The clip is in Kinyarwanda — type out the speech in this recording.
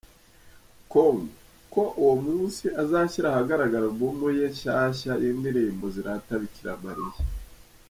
com » ko uwo munsi azashyira ahagaragara Album ye nshyashya y’indirimbo zirata Bikira Mariya.